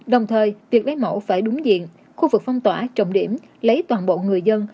đồng thời việc lấy mẫu phải đúng diện khu vực phong tỏa trọng điểm lấy toàn bộ người dân